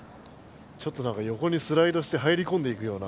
ちょっと何か横にスライドして入りこんでいくような。